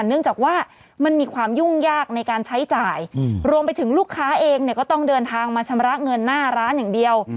เนื่องจากว่ามันมีความยุ่งยากในการใช้จ่ายรวมไปถึงลูกค้าเองเนี่ยก็ต้องเดินทางมาชำระเงินหน้าร้านอย่างเดียว